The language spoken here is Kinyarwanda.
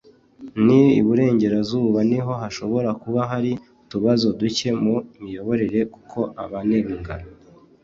n iburengerazuba niho hashobora kuba hari utubazo duke mu miyoborere kuko abanenga